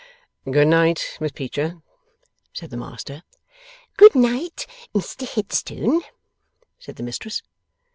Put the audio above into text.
'Good night, Miss Peecher,' said the Master. 'Good night, Mr Headstone,' said the Mistress.